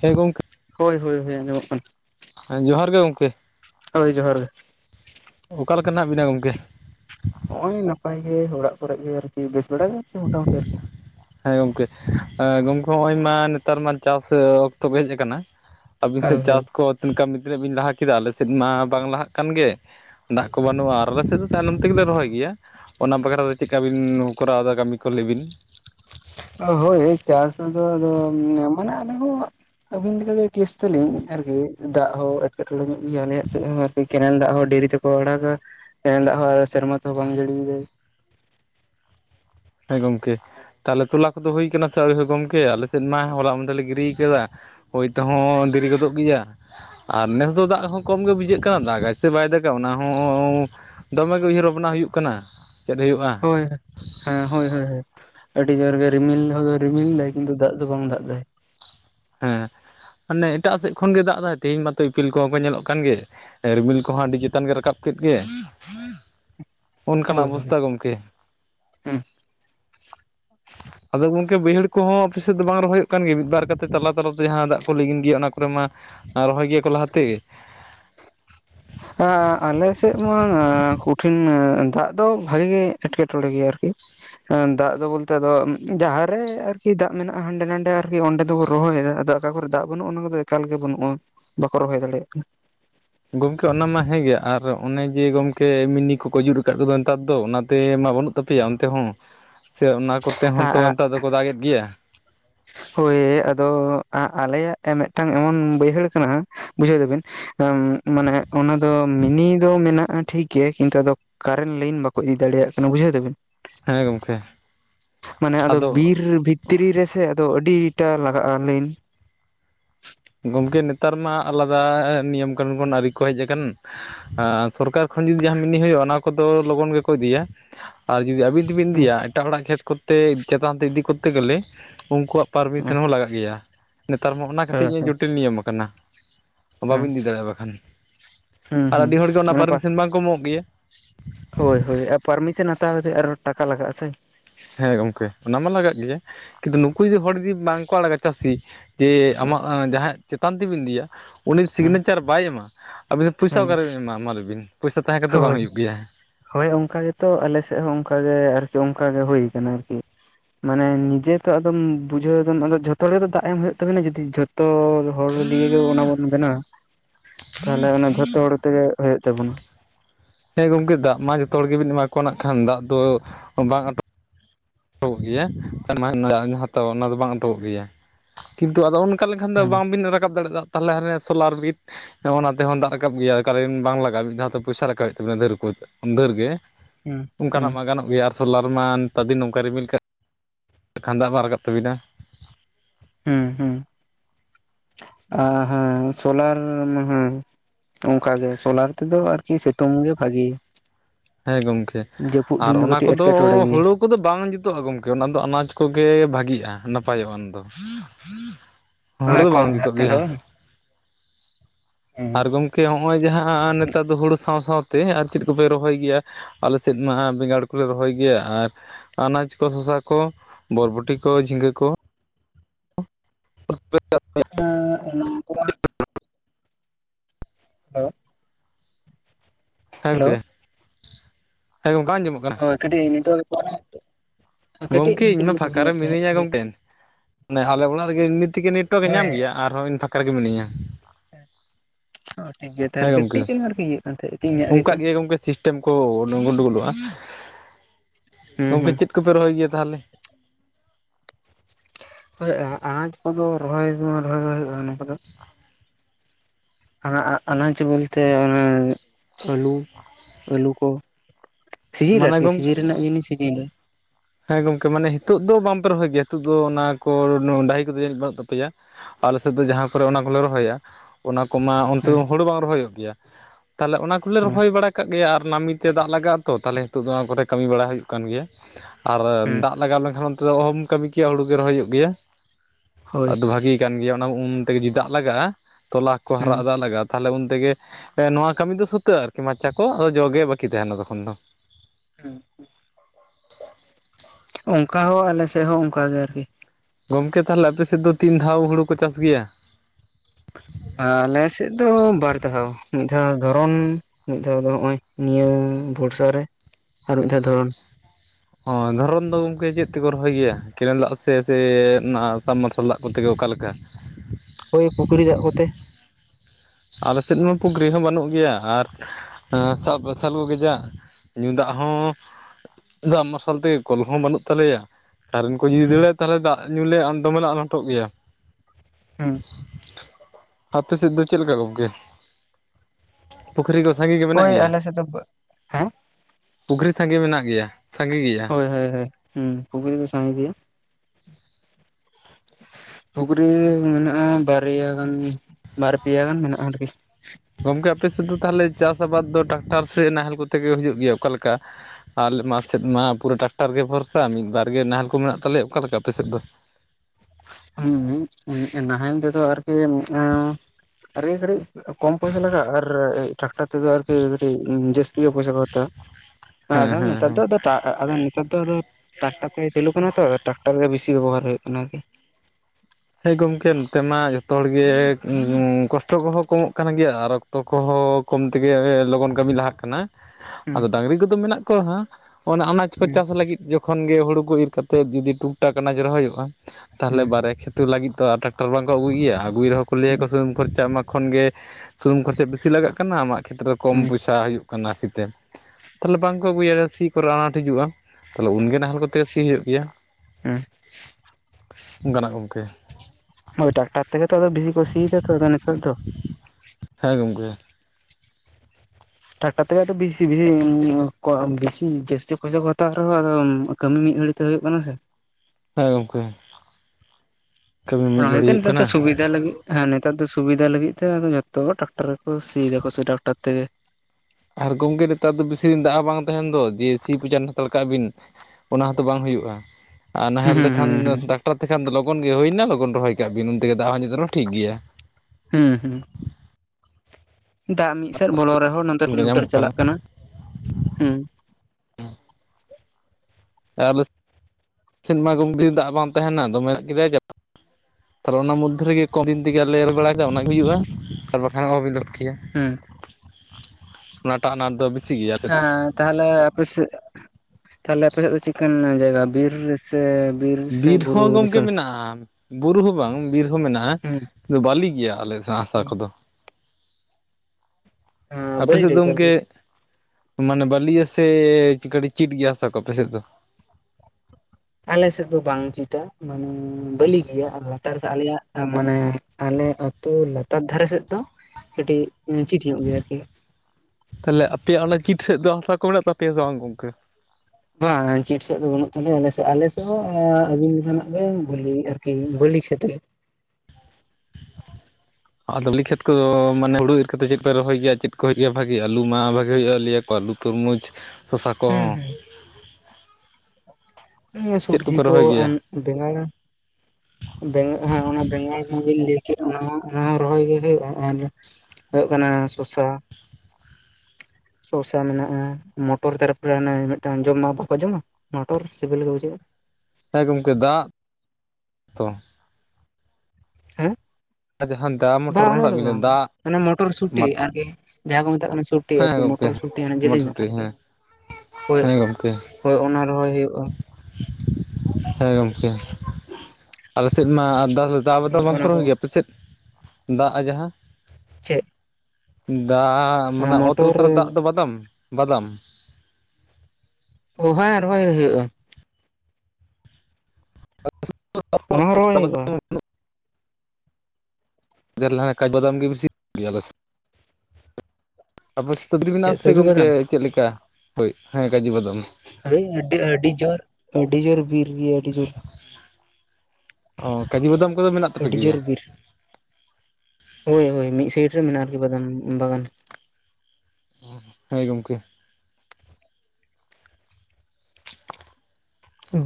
ᱦᱮ ᱜᱚᱝᱠᱮ ᱦᱚᱭ ᱦᱚᱭ ᱦᱚᱭ ᱟᱸᱡᱚᱢᱚᱜ ᱠᱟᱱᱟ᱾ ᱮᱸ ᱡᱚᱦᱟᱨ ᱜᱮ ᱜᱚᱢᱠᱮ ᱦᱚᱭ ᱡᱚᱦᱟᱨ ᱜᱮ ᱚᱠᱟ ᱞᱮᱠᱟᱱᱟᱜ ᱢᱤᱱᱟᱜ ᱜᱚᱝᱠᱮ ᱱᱚᱜᱼᱚᱭ ᱱᱟᱯᱟᱭ ᱜᱮ ᱦᱚᱲᱟᱜ ᱠᱚᱨᱮ ᱜᱮ ᱟᱨᱠᱤ ᱵᱮᱥ ᱵᱟᱲᱟ ᱜᱮᱭᱟᱯᱮ ᱢᱚᱴᱟᱢᱩᱴᱤ ᱟᱨᱠᱤ ᱦᱮᱭ ᱜᱚᱢᱠᱮ ᱮᱼ ᱜᱚᱢᱠᱮ ᱦᱚᱭ ᱢᱟ ᱱᱮᱛᱟᱨ ᱢᱟ ᱪᱟᱥ ᱚᱠᱛᱚ ᱜᱮ ᱦᱮᱡ ᱟᱠᱟᱱᱟ ᱟᱹᱵᱤᱱ ᱥᱮᱫ ᱦᱳᱭ ᱪᱟᱥ ᱠᱚ ᱛᱤᱱᱠᱟ ᱢᱤᱫ ᱫᱤᱱ ᱨᱮᱵᱤᱱ ᱞᱟᱦᱟ ᱠᱮᱫᱟ ᱟᱞᱮ ᱥᱮᱫ ᱢᱟ ᱵᱟᱝ ᱞᱟᱦᱟᱜ ᱠᱟᱱ ᱜᱮ ᱫᱟᱜ ᱠᱚ ᱵᱟᱹᱱᱩᱜ-ᱟ ᱟᱨ ᱟᱞᱮ ᱥᱮᱫ ᱫᱚ ᱛᱟᱭᱱᱚᱢ ᱛᱮᱜᱮᱞᱮ ᱨᱚᱦᱚᱭ ᱜᱮᱭᱟ ᱚᱱᱟ ᱵᱟᱠᱷᱨᱟ ᱫᱚ ᱪᱮᱠᱟ ᱵᱤᱱ ᱠᱚᱨᱟᱣᱮᱫᱟ ᱠᱟᱹᱢᱤ ᱠᱚ ᱞᱟᱹᱭ ᱵᱤᱱ ᱦᱳᱭ ᱦᱳᱭ ᱪᱟᱥ ᱠᱚᱫ ᱟᱫᱚ ᱢᱮᱱᱟᱜ-ᱟ ᱚᱱᱟᱦᱚ ᱟᱹᱵᱤᱱ ᱞᱮᱠᱟ ᱜᱮ ᱠᱮᱥ ᱛᱟᱞᱤᱧ ᱟᱨᱠᱤ ᱫᱟᱜ ᱦᱚᱸ ᱮᱴᱠᱮᱴᱚᱮ ᱧᱚᱜ ᱜᱮᱭᱟ ᱟᱞᱮᱭᱟᱜ ᱥᱮᱫ ᱦᱚᱸ ᱟᱨᱠᱤ ᱠᱮᱱᱮᱞ ᱫᱟᱜ ᱦᱚᱸ ᱰᱮᱨᱤ ᱛᱮ ᱛᱷᱚᱲᱟ ᱜᱟᱱ ᱮᱸ ᱫᱟᱜ ᱦᱚᱸ ᱥᱮᱨᱢᱟ ᱛᱮᱦᱚᱸ ᱵᱟᱝ ᱡᱟᱹᱲᱤᱭ ᱫᱟᱭ᱾ ᱦᱮᱸ ᱜᱚᱢᱠᱮ ᱛᱟᱦᱞᱮ ᱛᱚᱞᱟ ᱠᱚᱫᱚ ᱦᱩᱭ ᱠᱟᱱᱟ ᱥᱮ ᱜᱚᱢᱠᱮ ᱟᱞᱮ ᱥᱮᱫ ᱢᱟ ᱦᱚᱞᱟ ᱢᱟᱫᱷᱮ ᱞᱮ ᱜᱤᱰᱤ ᱠᱟᱫᱟ᱾ ᱦᱳᱭ ᱛᱮᱦᱚᱸ ᱫᱮᱨᱤ ᱜᱚᱫᱚᱜ ᱜᱮᱭᱟ᱾ ᱟᱨ ᱱᱮᱥ ᱫᱚ ᱫᱟᱜ ᱦᱚᱸ ᱠᱚᱢ ᱜᱮ ᱵᱩᱡᱷᱟᱹᱜ ᱠᱟᱱᱟ ᱫᱟᱜᱟᱭ ᱥᱮ ᱵᱟᱭ ᱫᱟᱜᱟ ᱚᱱᱟ ᱦᱚᱸ ᱫᱚᱢᱮᱜᱮ ᱩᱭᱦᱟᱹᱨ-ᱵᱷᱟᱵᱽᱱᱟ ᱦᱩᱭᱩᱜ ᱠᱟᱱᱟ ᱪᱮᱫ ᱦᱩᱭᱩᱜ-ᱟ ᱦᱚᱭ ᱦᱮᱸ ᱦᱚᱭ ᱦᱚᱭ ᱟᱹᱰᱤ ᱡᱩᱨ ᱜᱮ ᱨᱤᱢᱤᱞ ᱦᱚᱸᱜᱮ ᱨᱤᱢᱤᱞ ᱫᱟᱭ ᱠᱤᱱᱛᱩ ᱫᱟᱜ ᱫᱚ ᱵᱟᱝ ᱫᱟᱜ ᱫᱟᱭ ᱦᱮᱸ ᱦᱟᱱᱮ ᱮᱴᱟᱜ ᱥᱮᱫ ᱠᱷᱚᱱ ᱜᱮ ᱫᱟᱜ ᱮᱫᱟᱭ ᱛᱮᱦᱤᱧ ᱢᱟᱛᱚ ᱤᱯᱤᱞ ᱠᱚᱦᱚᱸ ᱠᱚ ᱧᱮᱞᱚᱜ ᱠᱟᱱ ᱜᱮ ᱛᱮ ᱨᱤᱢᱤᱞ ᱠᱚᱦᱚᱸ ᱟᱹᱰᱤ ᱪᱮᱛᱟᱱ ᱜᱮ ᱨᱟᱠᱟᱵ ᱠᱮᱫ ᱜᱮ [inaudible] ᱚᱱᱠᱟᱱᱟᱜ ᱦᱚᱭ ᱦᱟᱭ ᱚᱵᱚᱥᱛᱟ ᱜᱚᱢᱠᱮ ᱦᱮᱸ ᱟᱫᱚ ᱜᱚᱝᱠᱮ ᱵᱟᱹᱭᱦᱟᱹᱲ ᱠᱚᱦᱚᱸ ᱟᱯᱮ ᱥᱮᱫ ᱫᱚ ᱵᱟᱝ ᱨᱚᱦᱚᱭᱚᱜ ᱠᱟᱱ ᱜᱮ ᱢᱤᱫ ᱵᱟᱨ ᱠᱟᱛᱮ ᱛᱟᱞᱟ ᱛᱟᱞᱟᱛᱮ ᱡᱟᱦᱟᱸ ᱫᱟᱜ ᱠᱚ ᱞᱤᱸᱜᱤᱱ ᱜᱤᱭᱟ ᱚᱱᱟ ᱠᱚᱨᱮ ᱢᱟ ᱟ ᱨᱚᱦᱚᱭ ᱜᱮᱭᱟ ᱠᱚ ᱞᱟᱦᱟᱛᱮᱜᱮ ᱟᱸ ᱟᱞᱮ ᱥᱮᱫ ᱢᱟ ᱠᱩᱴᱷᱤᱱ ᱫᱟᱜ ᱫᱚ ᱵᱷᱟᱜᱤ ᱜᱮ ᱮᱴᱠᱮᱴᱚᱬᱮ ᱜᱮᱭᱟ ᱟᱨᱠᱤ ᱫᱟᱜ ᱫᱚ ᱵᱚᱞᱛᱮᱫᱚ ᱡᱟᱦᱟᱸᱨᱮ ᱟᱨᱠᱤ ᱫᱟᱜ ᱢᱮᱱᱟᱜ-ᱟ ᱦᱟᱱᱰᱮ-ᱱᱷᱟᱰᱮ ᱟᱨᱠᱤ ᱚᱸᱰᱮ ᱫᱚᱵᱚᱱ ᱨᱚᱦᱚᱭᱮᱫ-ᱟ ᱚᱠᱟ ᱠᱚᱨᱮ ᱫᱟᱜ ᱵᱟᱹᱱᱩᱜ-ᱟᱱᱟ ᱚᱱᱟ ᱠᱚᱫᱚ ᱮᱠᱟᱞᱜᱮ ᱵᱟᱹᱱᱩᱜ-ᱟᱷ ᱵᱟᱠᱚ ᱨᱚᱦᱚᱭ ᱫᱟᱲᱮᱭᱟᱜ ᱠᱟᱱᱟ ᱜᱚᱢᱠᱮ ᱚᱱᱟ ᱢᱟ ᱦᱮᱸ ᱜᱮ ᱟᱨ ᱚᱱᱮ ᱡᱮ ᱜᱚᱢᱠᱮ ᱢᱤᱱᱤ ᱠᱚᱠᱚ ᱡᱩᱨ ᱟᱠᱟᱫ ᱠᱚᱫᱚ ᱱᱮᱛᱟᱨ ᱫᱚ ᱚᱱᱟᱛᱮ ᱢᱟ ᱵᱟᱹᱱᱩᱜ ᱛᱟᱯᱮᱭᱟ ᱚᱱᱛᱮ ᱦᱚᱸ ᱥᱮ ᱚᱱᱟ ᱠᱚᱛᱮ ᱦᱚᱸᱛᱚ ᱠᱟᱱᱟ ᱱᱮᱛᱟᱨ ᱫᱚᱠᱚ ᱫᱟᱜᱮᱫ ᱜᱮᱭᱟ ᱦᱚᱭ ᱟᱫᱚ ᱟ ᱟᱞᱮᱭᱟᱜ ᱮ ᱢᱤᱫᱴᱟᱝ ᱮᱢᱚᱱ ᱵᱟᱹᱭᱦᱟᱹᱲ ᱠᱟᱱᱟ ᱵᱩᱡᱷᱟᱹᱣᱮᱫᱟ ᱵᱤᱱ ᱴᱟᱹᱝ ᱢᱟᱱᱮ ᱚᱱᱟ ᱫᱚ ᱢᱤᱱᱤ ᱫᱚ ᱢᱮᱱᱟᱜ-ᱟ ᱴᱷᱤᱠ ᱠᱮ ᱠᱤᱱᱛᱩ ᱟᱫᱚ ᱠᱟᱨᱮᱱᱴ ᱞᱟᱭᱤᱱ ᱵᱟᱠᱚ ᱤᱫᱤ ᱫᱟᱲᱮᱭᱟᱜ ᱠᱟᱱᱟ ᱵᱩᱡᱷᱟᱹᱣ ᱮᱫᱟᱵᱤᱱ ᱦᱮᱸ ᱜᱚᱢᱠᱮ [inaudible] ᱢᱟᱱᱮ ᱟᱫᱚ ᱵᱤᱨ ᱵᱷᱤᱛ ᱛᱨᱤ ᱨᱮᱥᱮ ᱟᱫᱚ ᱟᱹᱰᱤ ᱴᱟ ᱞᱟᱜᱟᱜ-ᱟ ᱞᱟᱹᱭᱤᱱ ᱜᱚᱝᱠᱮ ᱱᱮᱛᱟᱨ ᱢᱟ ᱟᱞᱟᱫᱟ ᱱᱤᱭᱚᱢ-ᱠᱟᱹᱱᱩᱱ ᱵᱚᱱ ᱟᱨᱤ ᱠᱚ ᱦᱮᱡ ᱟᱠᱟᱱ ᱦᱟᱸ ᱥᱚᱨᱠᱟᱨ ᱠᱷᱚᱱ ᱡᱩᱫᱤ ᱡᱟᱦᱟᱸ ᱢᱤᱱᱤ ᱦᱩᱭᱩᱜ-ᱟ ᱚᱱᱟ ᱠᱚᱫᱚ ᱞᱚᱜᱚᱱ ᱜᱮᱠᱚ ᱤᱫᱤᱭᱟ ᱟᱨ ᱡᱩᱫᱤ ᱟᱹᱵᱤᱱ ᱛᱮᱵᱤᱱ ᱦᱮᱸ ᱤᱫᱤᱭᱟ ᱮᱴᱟᱜ ᱦᱚᱲᱟᱜ ᱠᱷᱮᱛ ᱠᱚᱛᱮ ᱪᱮᱛᱟᱱ ᱛᱮ ᱤᱫᱤ ᱠᱚᱛᱮ ᱜᱮᱞᱮ ᱩᱱᱠᱩᱣᱟᱜ ᱯᱟᱨᱢᱤᱥᱚᱱ ᱦᱮᱸ ᱦᱚᱸ ᱞᱟᱜᱟᱜ ᱜᱮᱭᱟ ᱱᱮᱛᱟᱨ ᱢᱟ ᱚᱱᱟ ᱠᱷᱟᱹ ᱴᱤᱡ ᱡᱩᱴᱤᱱ ᱱᱤᱭᱚᱢ ᱟᱠᱟᱱᱟ ᱦᱮᱸ ᱵᱟᱹᱵᱤᱱ ᱤᱫᱤ ᱫᱟᱲᱮᱭᱟᱜ-ᱟ ᱵᱟᱠᱷᱟᱱ ᱦᱮᱸ ᱟᱨ ᱦᱮᱸ ᱟᱹᱰᱤ ᱦᱚᱲᱜᱮ ᱚᱱᱟ ᱯᱟᱨᱢᱮᱥᱮᱱ ᱵᱟᱝ ᱠᱚ ᱮᱢᱚᱜ ᱜᱮᱭᱟ ᱦᱚᱭ ᱦᱚᱭ ᱟᱨ ᱯᱟᱨᱢᱤᱥᱮᱱ ᱦᱟᱛᱟᱣ ᱠᱟᱛᱮᱜ ᱟᱨᱦᱚᱸ ᱴᱟᱠᱟ ᱞᱟᱜᱟᱜᱼᱟ ᱥᱮ ᱦᱮᱸ ᱜᱚᱝᱠᱮ ᱚᱱᱟ ᱢᱟ ᱞᱟᱜᱟᱜ ᱜᱮᱭᱟ ᱠᱤᱱᱛᱩ ᱱᱩᱠᱩ ᱡᱮ ᱦᱚᱲ ᱫᱤᱵᱽ ᱵᱟᱝᱠᱚ ᱟᱲᱟᱜᱟ ᱪᱟᱹᱥᱤ ᱦᱮ ᱦᱮᱸ ᱟᱢᱟᱜ ᱡᱟᱦᱟᱸᱭᱟᱜ ᱪᱮᱛᱟᱱ ᱛᱮᱵᱤᱱ ᱤᱫᱤᱭᱟ ᱩᱱᱤ ᱦᱮᱸ ᱥᱤᱜᱽᱱᱮᱪᱟᱨ ᱵᱟᱭ ᱮᱢᱟ ᱟᱹᱵᱤᱱ ᱫᱚ ᱯᱩᱭᱥᱟ ᱦᱮᱸ ᱚᱠᱟᱨᱮᱵᱤᱱ ᱧᱟᱢᱟ ᱢᱟ ᱞᱟᱹᱭᱵᱤᱱ ᱯᱩᱭᱥᱟᱹ ᱛᱟᱦᱮᱸ ᱠᱟᱛᱮ ᱵᱟᱝ ᱦᱩᱭᱩᱜ ᱜᱮᱭᱟ ᱦᱚᱭ ᱚᱱᱠᱟ ᱜᱮᱛᱚ ᱟᱞᱮ ᱥᱮᱫ ᱦᱚᱸ ᱚᱱᱠᱟ ᱜᱮ ᱟᱨᱠᱤ ᱚᱱᱠᱟ ᱜᱮ ᱦᱩᱭ ᱟᱠᱟᱱᱟ ᱟᱨᱠᱤ ᱢᱟᱱᱮ ᱱᱤᱡᱮ ᱛᱚ ᱟᱫᱚᱢ ᱵᱩᱡᱷᱟᱹᱣ ᱮᱫᱟᱢ ᱡᱷᱚᱛᱚ ᱦᱚᱲ ᱛᱟᱜ ᱮᱢ ᱦᱩᱭᱩᱜ ᱛᱟᱹᱵᱤᱱᱟ ᱡᱩᱫᱤ ᱡᱚᱛᱚ ᱦᱚᱲ ᱫᱚ ᱱᱤᱭᱟᱹ ᱜᱮ ᱚᱱᱟ ᱵᱚᱱ ᱵᱮᱱᱟᱜ-ᱟ ᱛᱟᱦᱞᱮ ᱚᱱᱟ ᱡᱷᱚᱛᱚ ᱦᱚᱲ ᱛᱮᱜᱮ ᱦᱩᱭᱩᱜ ᱛᱟᱵᱚᱱᱟ ᱦᱮᱸ ᱜᱚᱝᱠᱮ ᱫᱟᱜ ᱢᱟ ᱡᱚᱛᱚ ᱦᱚᱲ ᱜᱮᱵᱤᱱ ᱮᱢᱟ ᱠᱚᱣᱟ ᱚᱱᱟ ᱠᱷᱟᱱ ᱫᱟᱜ ᱫᱚ ᱵᱟᱝ ᱟᱴᱚᱠ ᱜᱮᱭᱟ [unintelligible] ᱚᱱᱟ ᱫᱚ ᱵᱟᱝ ᱩᱴᱚᱠᱚᱜ ᱜᱮᱭᱟ ᱠᱤᱱᱛᱩ ᱟᱫᱚ ᱚᱱ ᱚᱱᱠᱟ ᱞᱮᱠᱷᱟᱱ ᱫᱚ ᱦᱮᱸ ᱵᱟᱝᱵᱤᱱ ᱨᱟᱠᱟᱵ ᱫᱟᱲᱮᱭᱟᱜ ᱫᱚ ᱛᱟᱦᱞᱮ ᱦᱟᱱᱮ ᱥᱚᱞᱟᱨ ᱵᱤᱫ ᱚᱱᱟ ᱛᱮᱦᱚᱸ ᱫᱟᱜ ᱨᱟᱠᱟᱵ ᱜᱮᱭᱟ ᱠᱟᱨᱮᱱᱴ ᱵᱟᱝ ᱞᱟᱜᱟᱜ-ᱟ ᱢᱤᱫᱷᱟᱣ ᱛᱮ ᱯᱩᱭᱥᱟ ᱨᱟᱠᱟᱵ ᱦᱩᱭᱩᱜ ᱛᱟᱹᱵᱤᱱᱟ ᱩᱫᱷᱟᱹᱨ ᱠᱚ ᱩᱫᱷᱟᱹᱨ ᱜᱮ ᱦᱮᱸ ᱦᱮᱸ ᱚᱱᱠᱟᱱᱟᱜ ᱢᱟ ᱜᱟᱱᱚᱜ ᱜᱮᱭᱟ ᱟᱨ ᱥᱳᱞᱟᱨ ᱢᱟ ᱱᱮᱛᱟᱨ ᱫᱤᱱ ᱱᱚᱝᱠᱟ ᱱᱚᱝᱠᱟ ᱨᱤᱢᱤᱞ ᱠᱷᱟᱜ ᱠᱷᱟᱱ ᱫᱟᱜ ᱢᱟ ᱨᱟᱠᱟᱵ ᱛᱟᱹᱵᱤᱱᱟ ᱦᱩᱸ ᱦᱩᱸ ᱦᱮᱸ ᱦᱮᱸ ᱥᱳᱞᱟᱨ ᱦᱮᱸ ᱚᱱᱠᱟ ᱜᱮ ᱥᱳᱞᱟᱨ ᱛᱮᱫᱚ ᱟᱨᱠᱤ ᱠᱤ [unintelligible] ᱥᱤᱛᱩᱝ ᱜᱮ ᱵᱷᱟᱜᱤ ᱦᱮᱸ ᱜᱚᱝᱠᱮ ᱡᱟᱹᱯᱩᱫ ᱟᱨ ᱫᱤᱱ ᱫᱚ ᱚᱱᱟ ᱠᱟᱹᱴᱤᱡ ᱠᱚᱫᱚ ᱮᱴᱠᱮᱴᱚᱬᱮ ᱜᱮᱭᱟ ᱦᱩᱲᱩ ᱩᱱ ᱠᱚᱫᱚ ᱵᱟᱝ ᱡᱩᱛᱩᱜᱼᱟ ᱜᱚᱝᱠᱮ ᱚᱱᱟ ᱫᱚ ᱟᱱᱟᱡᱽ ᱠᱚᱜᱮ ᱵᱷᱟᱹᱜᱤᱜᱼᱟ ᱱᱟᱯᱟᱭᱚᱜᱼᱟ ᱚᱱᱟ ᱫᱚ ᱦᱚᱲᱳ ᱦᱳᱭ ᱫᱚ ᱠᱚᱢ ᱵᱟᱝ ᱫᱟᱜ ᱡᱩᱛᱩᱜ ᱜᱮᱭᱟ ᱛᱮᱫᱚ ᱦᱮᱸ ᱟᱨ ᱜᱚᱢᱠᱮ ᱦᱚᱸᱜᱼᱚᱭ ᱡᱟᱦᱟᱸ ᱱᱮᱛᱟᱨ ᱫᱚ ᱦᱩᱲᱩ ᱥᱟᱶ ᱥᱟᱶ ᱛᱮ ᱟᱨ ᱪᱮᱫ ᱠᱚᱯᱮ ᱨᱚᱦᱚᱭ ᱜᱮᱭᱟ ᱟᱞᱮ ᱥᱮᱫ ᱢᱟ ᱵᱮᱸᱜᱟᱲ ᱠᱚᱞᱮ ᱨᱚᱦᱚᱭ ᱜᱮᱭᱟ ᱟᱨ ᱟᱱᱟᱡᱽ ᱠᱚ ᱥᱚᱥᱟ ᱠᱚ ᱵᱚᱨᱵᱚᱴᱤ ᱠᱚ ᱡᱷᱤᱸᱜᱟᱹ ᱠᱚ [unintelligible] ᱦᱮᱸ ᱚᱱᱟ [unintelligible] [unintelligible] ᱦᱮᱸ ᱦᱮᱞᱳ ᱜᱚᱝᱠᱮ ᱦᱮᱸ ᱜᱚᱝᱠᱮ ᱵᱟᱝ ᱟᱸᱡᱚᱢᱚᱜ ᱠᱟᱱᱟ ᱦᱳᱭ ᱠᱟᱹᱴᱤᱡ [unintelligible] ᱠᱟᱹᱴᱤᱡ ᱜᱚᱝᱠᱮ ᱠᱟᱹᱴᱤᱡ ᱤᱧᱢᱟ ᱜᱮ ᱯᱷᱟᱠᱟ ᱯᱨᱚᱵᱞᱮᱢ ᱨᱮ ᱮᱫ ᱛᱟᱦᱮᱸᱫ ᱢᱤᱱᱟᱹᱧᱟ ᱟᱨᱠᱤ᱾ ᱜᱚᱝᱠᱮ ᱢᱟᱱᱮ ᱟᱞᱮ ᱚᱲᱟᱜ ᱨᱮᱜᱮ ᱤᱢᱱᱤ ᱛᱮᱜᱮ ᱱᱮᱴᱳᱣᱟᱨᱠ ᱮ ᱦᱳᱭ ᱧᱟᱢ ᱜᱮᱭᱟ ᱟᱨᱦᱚᱸ ᱤᱧ ᱯᱷᱟᱠᱟ ᱨᱮ ᱢᱤᱱᱟᱧᱟ ᱚᱸ ᱴᱷᱤᱠ ᱜᱮᱭᱟ ᱛᱟᱦᱚᱞᱮ ᱦᱮᱸ ᱜᱚᱢᱠᱮ ᱠᱟᱹᱴᱤᱡ ᱪᱚᱝ ᱟᱨᱠᱤ ᱤᱭᱟᱹᱜ ᱠᱟᱱᱟ ᱛᱟᱦᱮᱜᱼᱟ ᱠᱤ ᱢᱮᱱᱟᱜ ᱜᱮᱪᱚ ᱚᱱᱠᱟᱜ ᱜᱮ ᱜᱚᱢᱠᱮ ᱥᱤᱥᱴᱮᱢ ᱠᱚ ᱜᱩᱱᱰᱩ ᱜᱩᱞᱚᱜᱼᱟ ᱦᱩᱸ ᱜᱚᱝᱠᱮ ᱦᱩᱸ ᱪᱮᱫ ᱠᱚᱯᱮ ᱨᱚᱦᱚᱭ ᱜᱮᱭᱟ ᱛᱟᱦᱚᱞᱮ ᱦᱳᱭ ᱟᱱᱟᱡ ᱠᱚᱫᱚ ᱨᱚᱦᱚᱭ ᱡᱚᱢ ᱨᱚᱦᱚᱭ ᱫᱚ ᱦᱩᱭᱩᱜᱼᱟ ᱚᱱᱟ ᱠᱚᱫᱚ ᱟᱱᱟᱡ ᱵᱚᱞ ᱛᱮ ᱚᱱᱟ ᱟᱹᱞᱩ ᱟᱹᱞᱩ ᱠᱚ ᱥᱤᱡᱤᱱ ᱨᱮ ᱢᱟᱱᱮ ᱟᱨᱠᱤ ᱜᱚᱢ ᱥᱤᱡᱤᱱ ᱨᱮᱱᱟᱜ ᱡᱤᱱᱤᱥ ᱥᱤᱡᱤᱱ ᱨᱮ ᱦᱮᱸ ᱜᱚᱢᱠᱮ ᱢᱟᱱᱮ ᱱᱤᱛᱚᱜ ᱫᱚ ᱵᱟᱝ ᱯᱮ ᱨᱚᱦᱚᱭ ᱜᱮᱭᱟ ᱱᱤᱛᱚᱜ ᱫᱚ ᱚᱱᱟ ᱠᱚ ᱰᱟᱦᱤ ᱠᱚᱫᱚ ᱡᱟᱱᱤᱡ ᱵᱟᱹᱱᱩᱜ ᱛᱟᱯᱮᱭᱟ ᱟᱞᱮ ᱥᱮᱫ ᱫᱚ ᱡᱟᱦᱟᱸ ᱠᱚᱨᱮ ᱚᱱᱟ ᱠᱚᱞᱮ ᱨᱚᱦᱚᱭᱟ ᱚᱱᱟ ᱠᱚᱢᱟ ᱚᱱᱛᱮ ᱦᱮᱸ ᱦᱩᱲᱩ ᱵᱟᱝ ᱨᱚᱦᱚᱭᱚᱜ ᱜᱮᱭᱟ ᱛᱟᱦᱚᱞᱮ ᱚᱱᱟ ᱠᱚᱞᱮ ᱦᱮᱸ ᱨᱚᱦᱚᱭ ᱵᱟᱲᱟ ᱠᱟᱜ ᱜᱮᱭᱟ ᱟᱨ ᱱᱟᱹᱢᱤ ᱛᱮ ᱫᱟᱜ ᱞᱟᱜᱟᱣ ᱛᱚ ᱛᱟᱦᱚᱞᱮ ᱱᱤᱛᱚᱜ ᱫᱚ ᱚᱱᱟ ᱠᱚᱨᱮ ᱠᱟᱹᱢᱤ ᱵᱟᱲᱟ ᱦᱩᱭᱩᱜ ᱠᱟᱱ ᱜᱮᱭᱟ ᱟᱨ ᱦᱮᱸ ᱫᱟᱜ ᱞᱟᱜᱟᱣ ᱞᱮᱱ ᱠᱷᱟᱱ ᱫᱚ ᱚᱦᱚᱢ ᱠᱟᱹᱢᱤ ᱠᱮᱭᱟ ᱦᱩᱲᱩ ᱜᱮ ᱨᱚᱦᱚᱭᱚᱜ ᱜᱮᱭᱟ ᱦᱳᱭ ᱟᱫᱚ ᱵᱷᱟᱜᱤ ᱠᱟᱱ ᱜᱮᱭᱟ ᱚᱱᱟ ᱩᱢ ᱛᱮᱜᱮ ᱡᱩᱫᱤ ᱫᱟᱜ ᱞᱟᱜᱟᱜᱼᱟ ᱛᱚᱞᱟ ᱠᱚ ᱦᱟᱨᱟᱜ ᱦᱩᱸ ᱫᱟᱜ ᱞᱟᱜᱟᱜᱼᱟ ᱛᱟᱦᱚᱞᱮ ᱩᱱ ᱛᱮᱜᱮ ᱱᱚᱣᱟ ᱠᱟᱹᱢᱤ ᱫᱚ ᱥᱩᱛᱟᱹᱜᱼᱟ ᱟᱨᱠᱤ ᱢᱟᱪᱟ ᱠᱚ ᱟᱫᱚ ᱡᱚᱜᱮ ᱵᱟᱹᱠᱤ ᱛᱟᱦᱮᱱᱟ ᱛᱚᱠᱷᱚᱱ ᱫᱚ [unintelligible] ᱚᱱᱠᱟ ᱦᱚᱸ ᱟᱞᱮ ᱥᱮᱜ ᱦᱚᱸ ᱚᱱᱠᱟᱜ ᱜᱮ ᱟᱨᱠᱤ ᱜᱚᱝᱠᱮ ᱛᱟᱦᱚᱞᱮ ᱟᱯᱮ ᱥᱮᱫ ᱫᱚ ᱛᱤᱱ ᱫᱷᱟᱣ ᱦᱩᱲᱩ ᱠᱚ ᱪᱟᱥ ᱜᱮᱭᱟ ᱟᱞᱮ ᱥᱮᱫ ᱫᱚ ᱵᱟᱨ ᱫᱷᱟᱣ ᱢᱤᱫ ᱫᱷᱟᱣ ᱫᱷᱚᱨᱚᱱ ᱢᱤᱫ ᱫᱷᱟᱣ ᱫᱚ ᱱᱚᱜᱼᱚᱭ ᱱᱤᱭᱟᱹ ᱵᱚᱨᱥᱟ ᱨᱮ ᱟᱨ ᱢᱤᱫ ᱫᱷᱟᱣ ᱫᱷᱚᱨᱚᱱ ᱚᱸ ᱫᱷᱚᱨᱚᱢ ᱫᱚ ᱜᱚᱝᱠᱮ ᱪᱮᱫ ᱛᱮᱠᱚ ᱨᱚᱦᱚᱭ ᱜᱮᱭᱟ ᱠᱮᱱᱮᱞ ᱫᱟᱜ ᱥᱮ ᱥᱮ ᱚᱱᱟ ᱥᱟᱢ ᱢᱟᱨᱥᱟᱞ ᱫᱟᱜ ᱠᱚᱛᱮ ᱜᱮ ᱚᱠᱟ ᱞᱮᱠᱟ ᱦᱳᱭ ᱯᱩᱠᱷᱨᱤ ᱫᱟᱜ ᱠᱚᱛᱮ ᱟᱞᱮ ᱥᱮᱫ ᱢᱟ ᱯᱩᱠᱷᱨᱤ ᱦᱚᱸ ᱵᱟᱹᱱᱩᱜ ᱜᱮᱭᱟ ᱟᱨ ᱥᱟᱵᱢᱟᱨᱥᱟᱞ ᱠᱚ ᱜᱮᱡᱟ ᱧᱩ ᱫᱟᱜ ᱦᱚᱸ ᱥᱟᱢ ᱢᱟᱨᱥᱟᱞ ᱛᱮ ᱠᱚᱞ ᱦᱚᱸ ᱵᱟᱹᱱᱩᱜ ᱛᱟᱞᱮᱭᱟ ᱠᱟᱨᱮᱱᱴ ᱠᱚ ᱡᱩᱫᱤ ᱫᱟᱹᱲᱼᱟ ᱛᱟᱦᱞᱮ ᱫᱟᱜ ᱧᱩ ᱞᱮ ᱫᱚᱢᱮᱞᱮ ᱟᱱᱟᱴᱚᱜ ᱜᱮᱭᱟ ᱦᱩᱸ [unintelligible] ᱟᱯᱮ ᱥᱮᱫ ᱫᱚ ᱪᱮᱫ ᱞᱮᱠᱟ ᱜᱚᱝᱠᱮ ᱯᱩᱠᱷᱨᱤ ᱠᱚ ᱥᱟᱸᱜᱮ ᱜᱮ ᱢᱮᱱᱟᱜ ᱚᱠᱚᱭ ᱜᱮᱭᱟ ᱟᱞᱮ ᱥᱮᱫ ᱫᱚ ᱦᱮᱸ ᱯᱩᱠᱷᱨᱤ ᱥᱟᱸᱜᱮ ᱢᱮᱱᱟᱜ ᱜᱮᱭᱟ ᱥᱟᱸᱜᱮ ᱜᱮᱭᱟ ᱦᱳᱭ ᱦᱳᱭ ᱦᱳᱭ ᱦᱩᱸ ᱯᱩᱠᱷᱨᱤ ᱫᱚ ᱥᱟᱸᱜᱮ ᱜᱮᱭᱟ ᱯᱩᱠᱷᱨᱤ ᱢᱮᱱᱟᱜᱼᱟ ᱵᱟᱨᱭᱟ ᱜᱟᱱ ᱜᱮ ᱵᱟᱨ ᱯᱮᱭᱟ ᱜᱟᱱ ᱢᱮᱱᱟᱜᱼᱟ ᱟᱨᱠᱤ ᱜᱚᱢᱠᱮ ᱟᱯᱮ ᱥᱮᱫ ᱫᱚ ᱛᱟᱦᱚᱞᱮ ᱪᱟᱥ ᱟᱵᱟᱫᱽ ᱫᱚ ᱴᱟᱠᱴᱟᱨ ᱥᱮ ᱱᱟᱦᱮᱞ ᱠᱚᱛᱮ ᱜᱮ ᱦᱩᱭᱩᱜ ᱜᱮᱭᱟ ᱚᱠᱟ ᱞᱮᱠᱟ ᱟᱞᱮ ᱢᱟᱥ ᱥᱮᱫ ᱢᱟ ᱯᱩᱨᱟᱹ ᱴᱟᱠᱴᱟᱨ ᱜᱮ ᱵᱷᱚᱨᱥᱟ ᱢᱤᱫ ᱵᱟᱨ ᱜᱮ ᱱᱟᱦᱮᱞ ᱠᱚ ᱢᱮᱱᱟᱜ ᱛᱟᱞᱮᱭᱟ ᱚᱠᱟ ᱞᱮᱠᱟ ᱟᱯᱮ ᱥᱮᱫ ᱫᱚ ᱦᱩᱸ ᱱᱟᱦᱮᱞ ᱛᱮᱫᱚ ᱟᱨᱠᱤ ᱟᱰᱤ ᱜᱟᱹᱲᱤᱡ ᱠᱚᱢ ᱯᱚᱭᱥᱟ ᱞᱟᱜᱟᱜᱼᱟ ᱟᱨ ᱴᱟᱠᱴᱟᱨ ᱛᱮᱫᱚ ᱟᱨᱠᱤ ᱠᱟᱹᱴᱤᱡ ᱡᱟᱹᱥᱛᱤ ᱜᱮ ᱯᱚᱭᱥᱟ ᱠᱚ ᱦᱟᱛᱟᱣᱟ ᱦᱮ ᱦᱮᱸ ᱟᱫᱚ ᱦᱮᱸ ᱱᱮᱛᱟᱨ ᱫᱚ ᱦᱮᱸ ᱟᱫᱚᱼᱼ ᱛᱟ ᱟᱦ ᱟᱫᱚ ᱱᱮᱛᱟᱨ ᱫᱚ ᱟᱫᱚ ᱴᱟᱠᱴᱟᱨ ᱛᱮᱜᱮ ᱪᱟᱞᱩᱜ ᱠᱟᱱᱟ ᱛᱚ ᱴᱟᱠᱴᱟᱨ ᱜᱮ ᱵᱤᱥᱤ ᱵᱮᱵᱚᱦᱟᱨ ᱦᱩᱭᱩᱜ ᱠᱟᱱᱟ ᱟᱨ ᱠᱤ ᱴᱟᱜᱼᱼ ᱦᱮᱸ ᱜᱚᱢᱠᱮ ᱱᱚᱛᱮ ᱢᱟ ᱡᱚᱛᱚ ᱦᱚᱲ ᱜᱮ ᱩᱸ ᱩᱸ ᱠᱚᱥᱴᱚ ᱠᱚᱦᱚᱸ ᱠᱚᱢᱚᱜ ᱠᱟᱱ ᱜᱮᱭᱟ ᱟᱨᱚᱼᱼ ᱛᱚ ᱠᱚᱦᱚᱸ ᱠᱚᱢ ᱛᱮᱜᱮ ᱞᱚᱜᱚᱱ ᱠᱟᱹᱢᱤ ᱞᱟᱦᱟᱜ ᱠᱟᱱᱟ᱾ ᱦᱩᱸ ᱟᱫᱚ ᱰᱟᱝᱨᱤ ᱠᱚᱫᱚ ᱢᱮᱱᱟᱜ ᱠᱚᱣᱟ ᱦᱟᱸ ᱚᱱᱟ ᱟᱸᱱᱟᱡᱽ ᱠᱚ ᱦᱩᱸ ᱪᱟᱥ ᱞᱟᱹᱜᱤᱫ ᱡᱚᱜᱼᱼ ᱠᱷᱚᱱ ᱜᱮ ᱦᱩᱲᱩ ᱠᱚ ᱤᱨ ᱠᱟᱛᱮᱫ ᱡᱩᱫᱤ ᱴᱩᱠ ᱴᱟᱠ ᱟᱸᱱᱟᱡᱽ ᱨᱚᱦᱚᱭᱚᱜᱼᱟ ᱛᱟᱦᱞᱮ ᱵᱟᱨᱭᱟ ᱠᱷᱮᱛᱼᱼᱼ ᱛᱩᱫ ᱞᱟᱹᱜᱤᱫ ᱛᱚ ᱟᱨ ᱴᱟᱠᱴᱟᱨ ᱵᱟᱝᱠᱚ ᱟᱹᱜᱩᱭ ᱜᱮᱭᱟ ᱟᱹᱜᱩᱭ ᱨᱮᱦᱚᱸ ᱠᱚ ᱞᱟᱹᱭᱟᱠᱚ ᱦᱩᱸ ᱥᱮ ᱠᱷᱚᱨᱪᱟ ᱚᱱᱟᱠᱷᱚᱱ ᱜᱮ ᱥᱩᱱᱩᱢ ᱠᱷᱚᱨᱪᱟ ᱵᱤᱥᱤ ᱞᱟᱜᱟᱜ ᱠᱟᱱᱟ ᱟᱢᱟᱜ ᱠᱷᱮᱛᱨᱮ ᱠᱚᱢ ᱦᱩᱸ ᱯᱚᱭᱥᱟ ᱦᱩᱭᱩᱜ ᱼᱼ ᱠᱟᱱᱟ ᱥᱤᱛᱮ ᱛᱟᱦᱞᱮ ᱵᱟᱝ ᱠᱚ ᱟᱹᱜᱩᱭᱟ ᱥᱤ ᱠᱚᱨᱮ ᱟᱱᱟᱴ ᱦᱤᱡᱩᱜᱼᱟ, ᱛᱟᱦᱞᱮ ᱩᱱᱜᱮ ᱱᱟᱦᱮᱞ ᱠᱚᱛᱮ ᱥᱤ ᱦᱩᱭᱩᱜ ᱜᱮᱭᱟ ᱮᱸᱦ ᱚᱱᱠᱟᱱᱟᱜ ᱜᱚᱝᱠᱮ ᱦᱳᱭ ᱴᱟᱠᱴᱟᱨ ᱛᱮᱜᱮ ᱛᱚ ᱟᱫᱚ ᱵᱤᱥᱤ ᱠᱚ ᱥᱤᱭ ᱫᱟ ᱛᱚ ᱟᱫ ᱱᱮᱛᱟᱨ ᱫᱚ᱾ ᱦᱮᱸ ᱜᱚᱢᱠᱮ ᱴᱟᱠᱴᱟᱨ ᱛᱮᱜᱮ ᱛᱚ ᱵᱤᱥᱤ ᱵᱤᱥᱤ ᱵᱤᱥᱤ ᱡᱟᱹᱥᱛᱤ ᱯᱚᱭᱥᱟ ᱠᱚ ᱦᱟᱛᱟᱣᱮᱫ ᱨᱮᱦᱚᱸᱼᱼ ᱠᱟᱹᱢᱤ ᱢᱤᱫ ᱜᱷᱟᱹᱲᱤᱡ ᱛᱮ ᱦᱩᱭᱩᱜ ᱠᱟᱱᱟ ᱥᱮ᱾ ᱦᱮᱸ ᱜᱚᱢᱠᱮ, ᱠᱟᱹᱢᱤ ᱢᱤᱫ ᱜᱷᱟᱹᱲᱤᱡ ᱦᱩᱭᱩᱜ ᱠᱟᱱᱟ᱾ ᱥᱩᱵᱤᱫᱟᱭ ᱞᱟᱹᱜᱤᱫ ᱛᱮ ᱱᱮᱛᱟᱨ ᱫᱚ ᱥᱩᱵᱤᱫᱟᱭ ᱞᱟᱹᱜᱤᱫ ᱛᱮ ᱡᱚᱛᱚ ᱴᱟᱠᱴᱟᱨ ᱨᱮᱠᱚ ᱥᱤᱭ ᱫᱟᱠᱚ ᱥᱮ ᱴᱟᱠᱴᱟᱨ ᱛᱮᱼᱼᱼ ᱟᱨ ᱜᱚᱢᱠᱮ ᱱᱮᱛᱟᱨ ᱫᱚ ᱵᱤᱥᱤ ᱫᱤᱱ ᱫᱟᱜ ᱦᱚᱸ ᱵᱟᱝ ᱛᱟᱦᱮᱱ ᱫᱚ ᱡᱮ ᱥᱤ ᱯᱚᱪᱟᱱ ᱦᱟᱛᱟᱲ ᱠᱟᱜᱼᱟ ᱵᱤᱱ᱾ ᱚᱱᱟ ᱦᱚᱸᱛᱚ ᱵᱟᱝ ᱦᱩᱭᱩᱜᱼᱟ᱾ ᱟᱨ ᱦᱩᱸ ᱱᱟᱦᱮᱞ ᱦᱩᱸ ᱛᱮᱠᱷᱟᱱ, ᱦᱩᱸ ᱴᱟᱠᱴᱟᱨ ᱛᱮᱠᱷᱟᱱ ᱞᱚᱜᱚᱱ ᱜᱮ ᱦᱩᱭᱱᱟ ᱞᱚᱜᱚᱱ ᱨᱚᱦᱚᱭ ᱠᱟᱜ ᱵᱤᱱ ᱩᱱ ᱛᱮᱜᱮ ᱫᱟᱜ ᱦᱚᱸ ᱟᱸᱡᱮᱛ ᱨᱮ ᱦᱚᱸ ᱴᱷᱤᱠ ᱜᱮᱭᱟ᱾ ᱦᱩᱸ ᱦᱩᱸ ᱫᱟᱜ ᱢᱤᱫ ᱥᱮᱫ ᱵᱚᱞᱚᱜ ᱨᱮᱦᱚᱸ ᱱᱚᱱᱛᱮ ᱞᱩᱴᱟᱹᱨ ᱪᱟᱞᱟᱜ ᱠᱟᱱᱟ ᱦᱩᱸ᱾ ᱟᱞᱮ ᱥᱮᱱ ᱢᱟ ᱜᱚᱢᱠᱮ ᱫᱟᱜ ᱦᱚᱸ ᱵᱟᱝ ᱛᱟᱦᱮᱱᱟ ᱫᱚᱢᱮ ᱫᱟᱜ ᱠᱮᱫᱟᱭ ᱡᱟᱯᱩᱫᱽᱼᱼᱼ ᱛᱟᱦᱞᱮ ᱚᱱᱟ ᱢᱚᱫᱽᱫᱷᱮ ᱨᱮᱜᱮ ᱠᱚ ᱫᱤᱱ ᱛᱮᱜᱮ ᱟᱞᱮ ᱮᱨ ᱵᱟᱲᱟᱭ ᱫᱟ ᱚᱱᱟᱜᱮ ᱦᱩᱭᱩᱜᱼᱟ ᱟᱨ ᱵᱟᱠᱷᱟᱱ ᱚᱦᱚ ᱵᱤᱱ ᱞᱚᱰ ᱠᱮᱭᱟ᱾ ᱦᱩᱸ ᱚᱱᱟᱴᱟᱜ ᱟᱱᱟᱴ ᱫᱚ ᱵᱤᱥᱤ ᱜᱮᱭᱟ᱾ ᱪᱮᱫ ᱦᱮᱸ ᱛᱟᱦᱞᱮ ᱟᱯᱮ ᱥᱮᱫ, ᱛᱟᱦᱞᱮ ᱟᱯᱮᱥᱮᱫ ᱫᱚ ᱪᱮᱜ ᱠᱟᱱ ᱡᱟᱭᱜᱟ ᱵᱤᱨ ᱥᱮᱼᱼ ᱵᱤᱨ ᱦᱚᱸ ᱜᱚᱢᱠᱮ ᱢᱮᱱᱟᱜᱼᱟ᱾ ᱵᱩᱨᱩ ᱦᱚᱸ ᱵᱟᱝ ᱵᱤᱨ ᱦᱚᱸ ᱦᱩᱸ ᱢᱮᱱᱟᱜᱼᱟ ᱵᱟᱹᱞᱤ ᱜᱮᱭᱟ ᱟᱞᱮ ᱥᱟᱝ ᱦᱟᱥᱟ ᱠᱚᱫᱚ᱾ ᱦᱩᱸ ᱟᱯᱮ ᱵᱟᱹᱭ ᱥᱮᱫ ᱨᱮ ᱫᱚ ᱵᱟᱨ ᱵᱤᱨ ᱜᱚᱢᱠᱮᱼᱼ ᱢᱟᱱᱮ ᱵᱟᱹᱞᱤᱭᱟ ᱥᱮ ᱪᱤᱠᱟᱹᱲ ᱪᱤᱴ ᱜᱮᱭᱟ ᱦᱟᱥᱟ ᱠᱚ ᱟᱯᱮᱥᱮᱫ ᱫᱚ? ᱟᱞᱮᱥᱮᱫ ᱫᱚ ᱵᱟᱝ ᱪᱤᱴᱟ, ᱢᱟᱱᱮ ᱵᱟᱹᱞᱤ ᱜᱮᱭᱟ ᱟᱸ ᱞᱟᱛᱟᱨ ᱨᱮᱫᱚ ᱟᱞᱮᱭᱟᱜ ᱢᱟᱱᱮ ᱟᱞᱮ ᱫᱚᱼᱼ ᱛᱳ ᱞᱟᱛᱟᱨ ᱫᱷᱟᱨᱮ ᱥᱮᱫ ᱫᱚ ᱠᱟᱹᱴᱤᱡ ᱪᱤᱴ ᱧᱚᱜ ᱜᱮᱭᱟ ᱟᱨᱠᱤ᱾ ᱛᱟᱦᱞᱮ ᱟᱯᱮᱭᱟᱜ ᱚᱱᱟ ᱪᱤᱴ ᱥᱮᱫ ᱫᱚ ᱦᱟᱥᱟ ᱠᱚ ᱢᱮᱱᱟᱜ ᱛᱟᱯᱮᱭᱟ ᱥᱮ ᱵᱟᱝ ᱜᱚᱢᱠᱮ? ᱵᱟᱝ ᱪᱤᱴ ᱥᱮᱫ ᱫᱚ ᱵᱟᱹᱱᱩᱜ ᱛᱟᱞᱮᱭᱟ ᱟᱞᱮᱥᱮᱫ, ᱟᱞᱮᱥᱮᱫ ᱦᱚᱸ ᱟᱹᱵᱤᱱ ᱞᱮᱠᱟᱱᱟᱜ ᱜᱮ ᱵᱟᱹᱞᱤ ᱟᱨᱠᱤ ᱵᱟᱹᱞᱤ ᱠᱷᱮᱛ ᱜᱮ᱾ ᱟᱫᱚ ᱵᱟᱞᱤ ᱠᱷᱮᱛ ᱠᱚᱫᱚ ᱢᱟᱱᱮ ᱦᱩᱲᱩ ᱤᱨ ᱠᱟᱛᱮᱫ ᱟᱫᱚ ᱵᱟᱹᱞᱤ ᱠᱷᱮᱛ ᱠᱚ ᱫᱚ ᱪ ᱢᱟᱱᱮ ᱦᱩᱲᱩ ᱤᱨ ᱠᱟᱛᱮᱫ ᱪᱮᱫ ᱯᱮ ᱨᱚᱦᱚᱭ ᱜᱮᱭᱟ ᱪᱮᱫ ᱠᱚ ᱤᱭᱟᱹ ᱵᱷᱟᱜᱤ ᱦᱩᱭᱩᱜ ᱜᱮᱭᱟ ᱵᱷᱟᱜᱤᱮ ᱟᱞᱩ ᱢᱟ ᱵᱷᱟᱜᱤ ᱦᱩᱭᱩᱜᱼᱟ ᱞᱭᱟ ᱠᱚ ᱟᱹᱞᱩ ᱛᱩᱨᱢᱩᱡᱽ ᱥᱚᱥᱟ ᱠᱚ ᱦᱚᱸ ᱦᱩᱸ ᱱᱤᱭᱟᱹ ᱪᱮᱫ ᱥᱚᱵᱽᱡᱤ ᱠᱚᱯᱮ ᱠᱚ ᱨᱚᱦᱚᱭ ᱟᱢ ᱜᱮᱭᱟ ᱵᱮᱸᱜᱟᱲᱟ ᱵᱮᱸᱜᱟᱲ ᱦᱮᱸ ᱚᱱᱟ ᱵᱮᱸᱜᱟᱲ ᱠᱚᱦᱚᱸ ᱵᱤᱱ ᱞᱟᱹᱭ ᱠᱮᱫ ᱚᱱ ᱚᱱᱟ ᱨᱚᱦᱚᱭ ᱜᱮ ᱦᱩᱭᱩᱜᱼᱟ ᱟᱨᱼᱼ ᱦᱳᱭᱳᱜ ᱠᱟᱱᱟ ᱥᱚᱥᱟᱼᱼ ᱥᱚᱥᱟ ᱢᱮᱱᱟᱜᱼᱟ ᱢᱚᱴᱚᱨ ᱛᱟᱨᱯᱚᱨᱮ ᱚᱱᱮ ᱢᱮᱫᱴᱟᱝ ᱡᱚᱢ ᱢᱟ ᱵᱟᱠᱚ ᱡᱚᱢᱟ ᱢᱚᱴᱚᱨ ᱥᱤᱵᱤᱞ ᱜᱮ ᱵᱩᱡᱷᱟᱹᱜ᱾ ᱦᱮᱸ ᱜᱚᱢᱠᱮ ᱫᱟᱜ ᱛᱚ ᱦᱮᱸ ᱡᱟᱦᱟᱸ ᱫᱟᱜ ᱢᱚᱴᱚᱨ ᱵᱟᱝ ᱚᱱᱟ ᱚᱱᱟᱴᱟᱜ ᱫᱚ ᱵᱤᱱ ᱞᱟᱹᱭ ᱵᱟᱝ ᱫᱟᱜ ᱢᱟᱱᱮ ᱢᱚᱴᱚᱨ ᱥᱩᱴᱤ ᱟᱨᱠᱤ ᱡᱟᱦᱟᱸ ᱠᱚ ᱢᱮᱛᱟᱜ ᱠᱟᱱᱟ ᱪᱩᱴᱤ ᱦᱮᱸ ᱟᱨᱠᱤ ᱜᱚᱝᱠᱮ ᱢᱚᱴᱚᱨ ᱥᱩᱴᱤ ᱡᱮᱞᱮᱧᱚᱜ ᱢᱚᱴᱨᱥᱩᱴᱤ ᱟᱨᱠᱤ ᱦᱮᱸ ᱦᱳᱭ᱾ ᱦᱮᱸ ᱜᱚᱝᱠᱮ ᱦᱳᱭ ᱚᱱᱟ ᱨᱚᱦᱚᱭ ᱦᱩᱭᱳᱜᱼᱟ᱾ ᱦᱮᱸ ᱜᱚᱝᱠᱮ ᱟᱞ ᱥᱮᱫ ᱢᱟ ᱟᱫᱟ ᱫᱟ ᱵᱟᱛᱟᱞ ᱵᱟᱝ ᱠᱚ ᱨᱚᱦᱚᱭ ᱜᱮᱭᱟ ᱟᱯᱮᱥᱮᱫ? ᱫᱟᱜᱼᱟ ᱡᱟᱦᱟᱸ᱾ ᱪᱮᱫ? ᱫᱟ ᱢᱟᱱᱟ ᱚᱛ ᱢᱚᱴᱚᱨ ᱞᱟᱛᱟᱨ ᱨᱮ ᱫᱟᱜ ᱫᱚ ᱵᱟᱫᱟᱢ ᱵᱟᱫᱟᱢ᱾ ᱳ ᱦᱮᱸ ᱨᱚᱦᱚᱭ ᱦᱳᱭᱩᱜᱼᱟ᱾ [inaudible] ᱚᱱᱟ ᱦᱚᱸ ᱨᱚᱦᱚᱭ ᱦᱩᱭᱩᱜᱼᱟ [unintelligible] ᱠᱟᱡᱽ ᱵᱟᱫᱟᱢ ᱜᱮ ᱵᱮᱥᱤᱭᱟ ᱟᱫᱚ [unintelligible] ᱟᱯᱤ ᱥᱮ ᱢᱮᱱᱟᱜᱼᱟ, ᱪᱮᱫ ᱥᱮ ᱠᱟᱹᱡᱩ ᱜᱚᱝᱠᱮ ᱵᱟᱫᱟᱢ ᱪᱮᱫ ᱞᱮᱠᱟ ᱦᱳᱭ ᱦᱮᱸ ᱠᱟᱡᱩ ᱵᱟᱫᱟᱢ ᱦᱟᱭ ᱟᱹᱰᱤ ᱟᱹᱰᱤ ᱡᱳᱨ ᱟᱹᱰᱤ ᱡᱳᱨ ᱵᱤᱨ ᱭᱟᱞᱤ ᱡᱳᱨ ᱚ ᱠᱟᱡᱩ ᱵᱟᱫᱟᱢ ᱠᱚᱫᱚ ᱢᱮᱱᱟᱜ ᱛᱟᱯᱮ ᱟᱹᱰᱤ ᱜᱮᱭᱟ? ᱡᱳᱨ ᱵᱤᱨ ᱦᱳᱭ ᱦᱳᱭ ᱢᱤᱫ ᱥᱟᱭᱤᱴ ᱨᱮ ᱢᱮᱱᱟᱜᱼᱟ, ᱟᱨᱠᱤ ᱵᱟᱜᱟᱱ ᱵᱟᱜᱟᱱ ᱦᱳᱭ ᱜᱚᱢᱠᱮ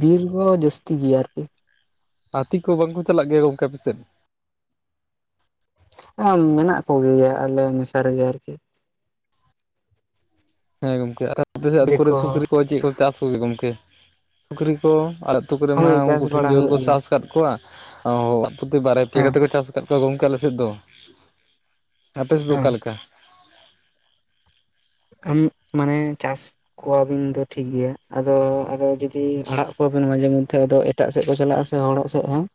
ᱵᱤᱨ ᱠᱚ ᱡᱟᱹᱥᱛᱤ ᱜᱮᱭᱟ ᱟᱨᱠᱤ ᱦᱟᱹᱛᱤ ᱠᱚ ᱵᱟᱝ ᱠᱚ ᱪᱟᱞᱟᱜ ᱜᱮᱭᱟ ᱜᱚᱝᱠᱮ ᱯᱮᱥᱮᱫ? ᱢᱮᱱᱟᱜ ᱠᱚᱜᱮᱭᱟ ᱟᱞᱮ ᱢᱮᱥᱟ ᱨᱮᱜᱮ ᱟᱨᱠᱤ ᱦᱮᱸ ᱜᱚᱢᱠᱮ ᱟᱹᱯᱮ ᱠᱚᱨᱮ ᱫᱤᱠᱩ ᱥᱩᱠᱨᱤ ᱦᱚᱸ ᱠᱚ ᱪᱮᱫ ᱠᱚ ᱪᱟᱥ ᱠᱚᱜᱮ ᱜᱚᱢᱠᱮ ᱥᱩᱠᱨᱤ ᱠᱚ ᱟᱲᱟᱜ ᱟᱹᱛᱩ ᱠᱚᱨᱮᱢᱟ ᱦᱳᱭ ᱪᱟᱥ ᱩᱱᱠᱩᱴᱷᱤᱱ ᱵᱟᱲᱟ ᱡᱮᱣ ᱦᱩᱭᱩᱜ ᱠᱚ ᱜᱮᱭᱟ ᱪᱟᱥ ᱠᱚ ᱥᱟᱯ ᱠᱚᱣᱟ ᱚᱲᱟᱜ ᱯᱩᱛᱤ ᱵᱟᱨ ᱯᱮ ᱦᱮᱸ ᱠᱟᱛᱮ ᱠᱚ ᱪᱟᱥ ᱟᱠᱟᱫ ᱠᱚᱣᱟ ᱜᱚᱝᱠᱮ ᱟᱞᱮ ᱥᱮᱫ ᱫᱚ᱾ ᱟᱯᱮ ᱥᱮᱫ ᱫᱚ ᱦᱮᱸ ᱚᱠᱟ ᱞᱮᱠᱟ? ᱟᱢ ᱢᱟᱱᱮ ᱪᱟᱥ ᱠᱚᱣᱟᱵᱤᱱ ᱫᱚ ᱴᱷᱤᱠ ᱜᱮᱭᱟ, ᱟᱫᱚ ᱟᱫᱚ ᱡᱩᱫᱤ ᱟᱲᱟᱜ ᱠᱚᱣᱟᱵᱤᱱ ᱢᱟᱡᱷᱮ ᱢᱚᱫᱽᱫᱷᱮ ᱮᱴᱟᱜ ᱥᱮᱫ ᱠᱚ ᱪᱟᱞᱟᱜᱼᱟ ᱥᱮ ᱦᱚᱲᱚᱜ ᱥᱮᱫ ᱦᱚᱸ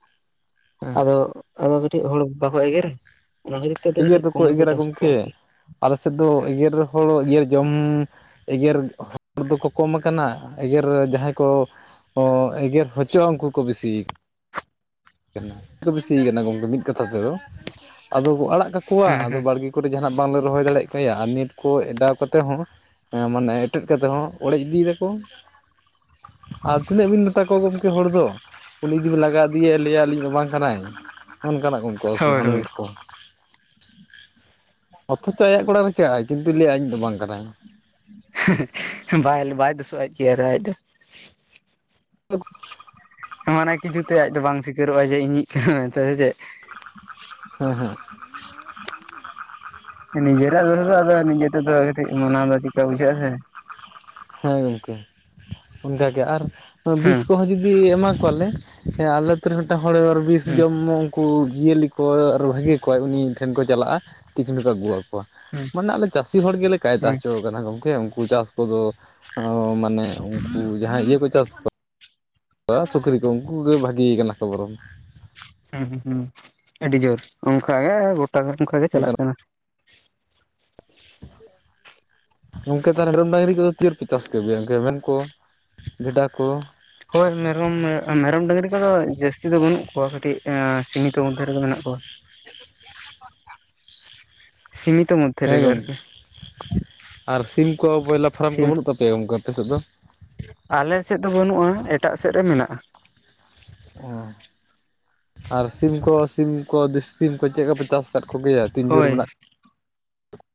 ᱦᱮᱸ ᱟᱫᱚ ᱟᱫᱚ ᱠᱟᱹᱴᱤᱡ ᱦᱚᱲ ᱵᱟᱠᱚ ᱮᱜᱮᱨᱟ, ᱚᱱᱟ ᱠᱷᱟᱹᱛᱤᱨ ᱛᱮ ᱮᱜᱮᱨ ᱠᱟᱹᱴᱤᱡ ᱠᱚᱢ ᱫᱚᱠᱚ ᱜᱮ ᱠᱚ ᱮᱜᱮᱨᱟ ᱪᱟᱥ ᱠᱚᱣᱟ ᱜᱚᱢᱠᱮ ᱟᱨᱠᱤ᱾ ᱟᱞᱮ ᱥᱮᱫ ᱫᱚ ᱮᱜᱮᱨ ᱦᱚᱲ ᱮᱜᱮᱨ ᱡᱚᱢ ᱮᱜᱮᱨ ᱦᱚᱲ ᱫᱚᱠᱚ ᱠᱚᱢ ᱟᱠᱟᱱᱟ ᱮᱜᱮᱨ ᱡᱟᱦᱟᱸᱭ ᱠᱚ ᱮᱜᱮᱨ ᱦᱚᱪᱚᱜᱼᱟ ᱩᱱᱠᱩ ᱠᱚ ᱵᱤᱥᱤ ᱵᱮᱥᱤᱭ ᱠᱟᱱᱟ ᱜᱚᱢᱠᱮ ᱢᱤᱫ ᱠᱟᱛᱷᱟ ᱛᱮᱫᱚ ᱟᱫᱚ ᱠᱚ ᱟᱲᱟᱜ ᱠᱟᱠᱚᱣᱟ ᱟᱫᱚ ᱵᱟᱲᱜᱮ ᱠᱚᱨᱮ ᱡᱟᱦᱟᱱᱟᱜ ᱵᱟᱝᱞᱮ ᱨᱚᱦᱚᱭ ᱫᱟᱲᱮᱭᱟᱜ ᱠᱟᱱᱟᱭᱟ ᱟᱨ ᱱᱮᱴ ᱠᱚ ᱮᱰᱟᱣ ᱠᱟᱛᱮ ᱦᱚᱸ ᱦᱮᱸ ᱢᱟᱱᱮ ᱮᱴᱮᱫ ᱠᱟᱛᱮ ᱦᱚᱸ ᱚᱲᱮᱡ ᱤᱫᱤᱭᱟ ᱠᱚ᱾ ᱟᱨ ᱛᱤᱱᱟᱹᱜ ᱵᱤᱱ ᱢᱮᱛᱟ ᱠᱚᱣᱟ ᱜᱚᱢᱠᱮ ᱦᱚᱲ ᱫᱚ ᱩᱱᱤ ᱡᱩᱫᱤ ᱵᱤᱱ ᱞᱟᱜᱟ ᱫᱤᱭᱮ ᱞᱟᱹᱭ ᱟᱹᱞᱤᱧ ᱫᱚ ᱵᱟᱝ ᱠᱟᱱᱟᱭ ᱚᱱᱠᱟᱱᱟᱜ ᱠᱚ ᱦᱳᱭ ᱦᱳᱭ ᱩᱱᱠᱩᱥᱩᱵᱤᱫ ᱠᱚ᱾ ᱚᱛᱷᱚ ᱛᱚ ᱟᱭᱟᱜ ᱠᱚᱲᱟᱨ ᱨᱮ ᱪᱟᱞᱟᱭ ᱠᱤᱱᱛᱩ ᱞᱟᱹᱭᱟ ᱤᱧ ᱫᱚ ᱵᱟᱝ ᱠᱟᱱᱟᱭ ᱵᱟᱭ ᱵᱟᱭ ᱫᱩᱥᱚᱜ ᱜᱮᱭᱟ ᱟᱨ ᱟᱡ ᱫᱚ ᱦᱮᱸ ᱢᱟᱱᱮ ᱠᱤᱪᱷᱩ ᱛᱮ ᱟᱡ ᱫᱚ ᱵᱟᱝ ᱥᱤᱠᱟᱹᱨᱚᱜᱼᱟ ᱡᱮ ᱤᱧᱤᱡ ᱠᱟᱱᱟ ᱢᱮᱱᱛᱮ ᱪᱮᱫ? ᱦᱮᱸ ᱦᱮᱸ ᱱᱤᱡᱮᱨᱟᱜ ᱫᱚ ᱫᱚ ᱱᱤᱡᱮᱛᱮ ᱢᱚᱱᱟᱣ ᱠᱟᱴᱤᱡ ᱵᱩᱡᱷᱟᱹ ᱥᱮ ᱦᱮᱸ ᱜᱚᱢᱠᱮ ᱚᱱᱠ ᱜᱮ ᱟᱨ ᱵᱤᱥ ᱦᱮᱸ ᱠᱚᱦᱚᱸ ᱡᱩᱫᱤ ᱮᱢᱟ ᱠᱚᱣᱟᱞᱮ ᱦᱮᱸ ᱟᱞᱮ ᱟᱹᱛᱩ ᱨᱮ ᱢᱤᱫᱴᱟᱝ ᱦᱚᱲ ᱵᱤᱥ ᱡᱚᱢ ᱩᱱᱠᱩ ᱡᱤᱭᱟᱹᱞᱤ ᱠᱚ ᱟᱨ ᱵᱷᱟᱹᱜᱤ ᱠᱚᱣᱟ ᱩᱱᱤ ᱴᱷᱮᱱ ᱠᱚ ᱪᱟᱞᱟᱜᱼᱟ, ᱛᱤᱠᱱᱩ ᱠᱚ ᱟᱹᱜᱩᱣᱟ ᱠᱚᱣᱟ ᱦᱮᱸ ᱢᱟᱱᱮ ᱟᱞᱮ ᱪᱟᱹᱥᱤ ᱦᱚᱲ ᱜᱮᱞᱮ ᱠᱟᱭᱫᱟ ᱦᱮᱸ ᱦᱚᱪᱚ ᱠᱟᱱᱟ ᱜᱚᱢᱠᱮ ᱩᱱᱠᱩ ᱪᱟᱥ ᱠᱚᱫᱚ ᱢᱟᱱᱮ ᱩᱱᱠᱩ ᱡᱟᱦᱟᱸ ᱤᱭᱟᱹ ᱠᱚ ᱪᱟᱥ ᱠᱚ ᱥᱩᱠᱨᱤ ᱠᱚ ᱩᱱᱠᱩ ᱠᱚᱜᱮ ᱵᱷᱟᱹᱜᱮ ᱠᱟᱱᱟ ᱠᱚ ᱵᱚᱨᱚᱱ ᱦᱩᱸ ᱦᱩᱸ ᱟᱹᱰᱤ ᱡᱳᱨ ᱚᱱᱠᱟ ᱜᱮ ᱜᱚᱴᱟ ᱫᱷᱟᱨ ᱚᱱᱠᱟ ᱜᱮ ᱪᱟᱞᱟᱜ ᱚᱱᱠᱟᱱᱟᱜ ᱠᱟᱱᱟ᱾ ᱜᱚᱢᱠᱮ ᱛᱟᱦᱚᱞᱮ ᱢᱮᱨᱚᱢ ᱰᱟᱹᱝᱨᱤ ᱠᱚᱫᱚ ᱛᱤᱭ ᱯᱮ ᱪᱟᱥ ᱠᱚ ᱟᱹᱜᱩᱭᱟ ᱢᱮ ᱠᱚ ᱵᱷᱮᱰᱟ ᱠᱚ ᱦᱳᱭ ᱢᱮᱨᱚᱢ ᱢᱮᱨᱚᱢ ᱰᱟᱹᱜᱽᱨᱤ ᱠᱚᱫᱚ ᱡᱟᱥᱛᱤ ᱠᱚ ᱫᱚ ᱵᱟᱹᱱᱩᱜ ᱠᱚᱣᱟ ᱠᱟᱹᱴᱤᱡ ᱥᱤᱢᱤᱛᱚ ᱢᱚᱫᱽᱫᱷᱮ ᱨᱮᱜᱮ ᱢᱮᱱᱟᱜ ᱠᱚᱣᱟ᱾ ᱥᱤᱢᱤᱛᱚ ᱢᱚᱫᱚᱛᱷ ᱦᱮᱸ ᱜᱚᱢᱠᱮ ᱟᱨ ᱥᱤᱢ ᱠᱚ ᱵᱚᱭᱞᱟᱨ ᱯᱷᱟᱨᱟᱢ ᱠᱚ ᱥᱤᱢ ᱵᱟᱹᱱᱩᱜ ᱛᱟᱯᱮᱭᱟ ᱜᱚᱢᱠᱮ ᱟᱯᱮᱥᱮᱫ ᱫᱚ? ᱟᱞᱮ ᱥᱮᱫ ᱫᱚ ᱵᱟᱹᱱᱩᱜᱼᱟ ᱮᱴᱟᱜ ᱥᱮᱫ ᱨᱮ ᱢᱮᱱᱟᱜᱼᱟ᱾ ᱚ ᱟᱨ ᱥᱤᱢ ᱠᱚ ᱥᱤᱢ ᱠᱚ ᱫᱤᱥᱤ ᱥᱤᱢ ᱠᱚ ᱪᱮᱫ ᱠᱚᱯᱮ ᱪᱟᱥ ᱟᱠᱟᱫ ᱠᱚᱜᱮ ᱛᱤᱱ ᱡᱳᱨ ᱦᱳᱭ ᱢᱮᱱᱟᱜ